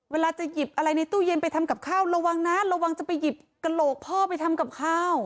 เวลาจะหยิบอะไรในตู้เย็นไปทำกับข้าวระวังนะระวังจะไปหยิบกระโหลกพ่อไปทำกับข้าว